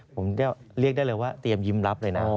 ผมเรียกได้เลยว่าเตรียมยิ้มรับเลยนะ